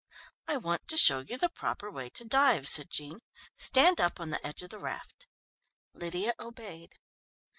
"I want to show you the proper way to dive," said Jean. "Stand up on the edge of the raft." Lydia obeyed.